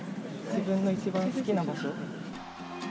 自分の一番好きな場所。